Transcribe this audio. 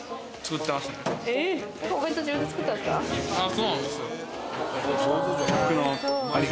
そうなんですよ。